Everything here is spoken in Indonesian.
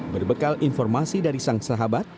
berbekal informasi dari sang sahabat